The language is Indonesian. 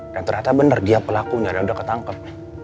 dan ternyata bener dia pelakunya dia udah ketangkep